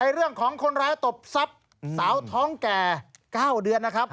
เรื่องของคนร้ายตบทรัพย์สาวท้องแก่๙เดือนนะครับ